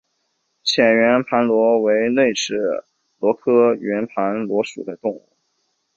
浅圆盘螺为内齿螺科圆盘螺属的动物。